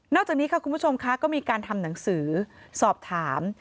จากนี้ค่ะคุณผู้ชมค่ะก็มีการทำหนังสือสอบถาม